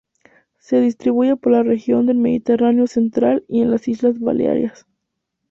Se distribuye por la región del Mediterráneo central y en las Islas Baleares.